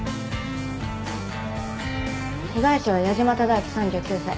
被害者は矢島忠昭３９歳。